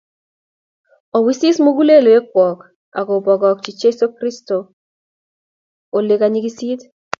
Owisis mugulelwek kwok akobokokchi Jeso kotoritok ole kanyigisit